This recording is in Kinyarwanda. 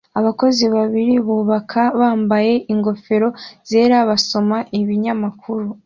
Abakozi babiri bubaka bambaye ingofero zera basoma ibinyamakuru